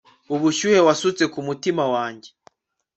ubushyuhe wasutse kumutima wanjye